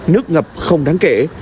nước ngập không đáng kể